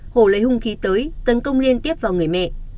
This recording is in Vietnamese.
hồ lấy hung khí tới tấn công liên tiếp vào người mẹ